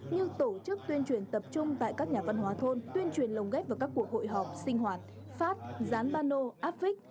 như tổ chức tuyên truyền tập trung tại các nhà văn hóa thôn tuyên truyền lồng ghép vào các cuộc hội họp sinh hoạt phát gián bano áp vích